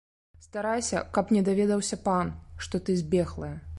Старайся, каб не даведаўся пан, што ты збеглая!